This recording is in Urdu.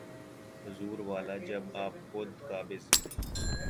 حضور والا، جب آپ خود قابض ہیں۔